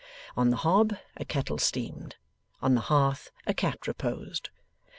On the hob, a kettle steamed; on the hearth, a cat reposed.